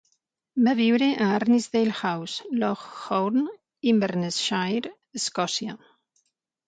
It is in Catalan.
Va viure a Arnisdale House, Loch Hourn, Inverness-shire, Escòcia.